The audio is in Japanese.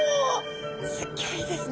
すギョいですね！